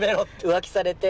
浮気されて。